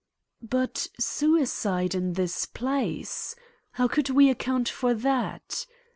But suicide in this place! How could we account for that?